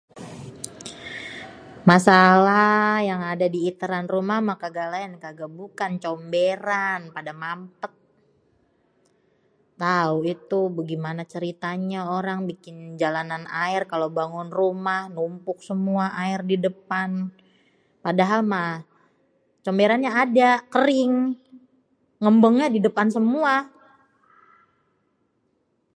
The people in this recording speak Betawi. Masalah yang ada diiteran rumah mah kagak laen kagak bukan comberan pada mampet. Tau itu begimana ceritanya orang bikin jalanan aér kalo bangun rumah, numpuk semua aér di depan. Padahal mah comberannya ada, kering, ngembengnya di depan semua.